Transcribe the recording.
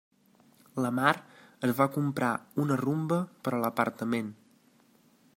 La Mar es va comprar una Rumba per a l'apartament.